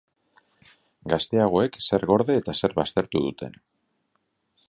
Gazteagoek zer gorde eta zer baztertu duten.